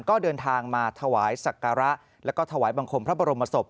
ก็เดินทางมาถวายศักระแล้วก็ถวายบังคมพระบรมศพ